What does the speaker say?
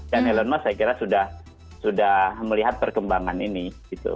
dan elon musk saya kira sudah melihat perkembangan ini gitu